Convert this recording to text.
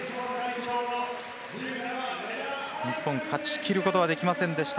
日本、勝ち切ることはできませんでした